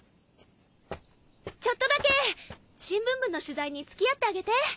ちょっとだけ新聞部の取材に付き合ってあげて。